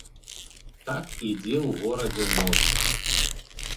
Так ідзе ў горадзе ноч.